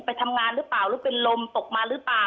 ไปทำงานหรือเปล่าหรือเป็นลมตกมาหรือเปล่า